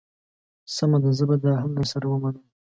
سمه ده زه به دا هم در سره ومنم.